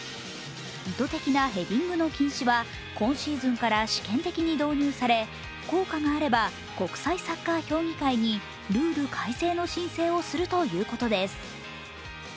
意図的なヘディングの禁止は今シーズンから試験的に導入され、効果があれば国際サッカー評議会にルール改正の申請をするということです。